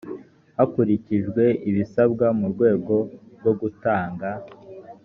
hakurikijwe ibisabwa mu rwego rwo gutanga